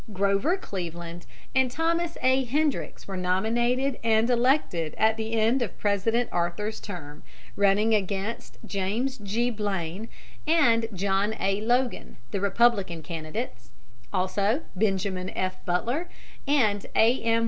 Grover Cleveland and Thomas A. Hendricks were nominated and elected at the end of President Arthur's term, running against James G. Blaine and John A. Logan, the Republican candidates, also Benjamin F. Butler and A. M.